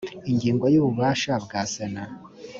ingingo ya ububasha bwa sena